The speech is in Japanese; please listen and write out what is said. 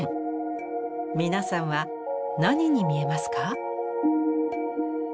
皆さんは何に見えますか？